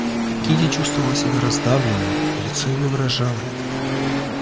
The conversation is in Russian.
Кити чувствовала себя раздавленною, и лицо ее выражало это.